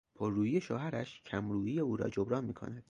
پررویی شوهرش کم رویی او را جبران میکند.